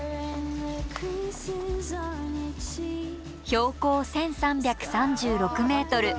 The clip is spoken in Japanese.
標高１，３３６ｍ。